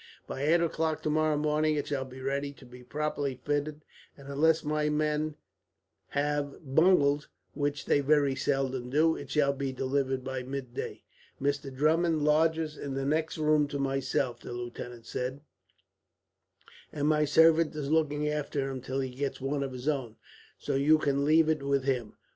By eight o'clock tomorrow morning it shall be ready to be properly fitted, and unless my men have bungled, which they very seldom do, it shall be delivered by midday." "Mr. Drummond lodges in the next room to myself," the lieutenant said; "and my servant is looking after him, till he gets one of his own, so you can leave it with him."